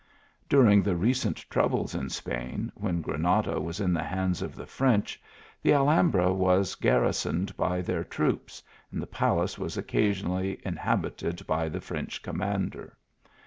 During the recent troubles in Spain, when Gra nada was in the hands of the French, the Alham bra was garrisoned by their troops, and the palace was occasionally inhabited by the French comman der.